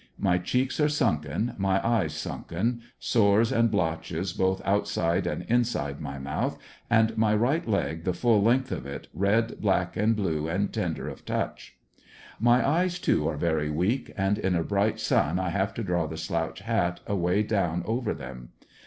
My cheeks are sunk en, eyes sunken, sores and blotches both outside and inside my mouth, and my right leg the whole length of it, red, black and blue and tender of touch. My eyes, too, are very weak, and m a bright sun I have to draw the slouch hat away down over them.